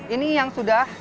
ini yang sudah